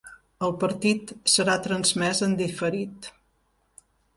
El partit serà transmès en diferit.